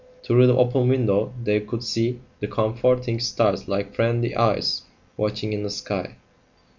Through the open window they could see the comforting stars like friendly eyes watching in the sky.